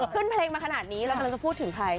ขึ้นเพลงมาขนาดนี้แล้วก็จะพูดถึงใคร